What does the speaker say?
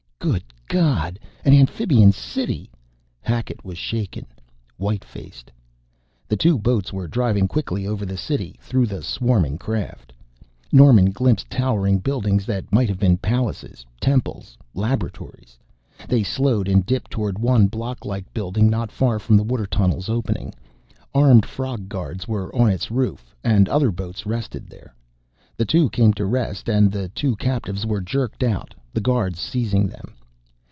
"Good God, an amphibian city!" Hackett was shaken, white faced. The two boats were driving quickly over the city, through the swarming craft. Norman glimpsed towering buildings that might have been palaces, temples, laboratories. They slowed and dipped toward one block like building not far from the water tunnel's opening. Armed frog guards were on its roof, and other boats rested there. The two came to rest and the two captives were jerked out, the guards seizing them.